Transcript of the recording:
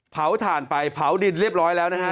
ถ่านไปเผาดินเรียบร้อยแล้วนะฮะ